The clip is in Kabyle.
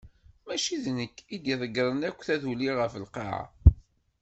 Mačči d nekk i iḍeggren akk taduli ɣef lqaɛa.